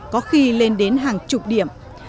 có khi lên đến hàng chục điểm